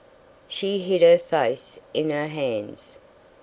She hid her face in her hands.